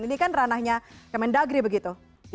ini kan ranahnya kemendagri begitu